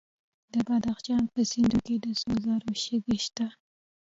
د بدخشان په سیندونو کې د سرو زرو شګې شته.